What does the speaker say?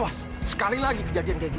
awas sekali lagi kejadian kayak gitu